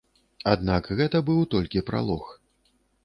Аднак гэта быў толькі пралог.